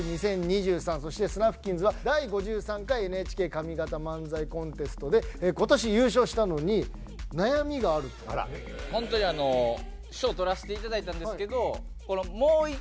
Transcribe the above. そしてスナフキンズは第５３回ＮＨＫ上方漫才コンテストで今年優勝したのに本当にあの賞取らしていただいたんですけど